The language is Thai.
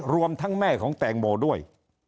รวมทั้งแม่ของแตงโมด้วย